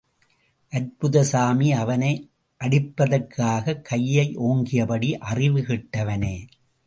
அற்புதசாமி அவனை அடிப்பதற்காக் கையை ஓங்கியபடி, அறிவு கெட்டவனே!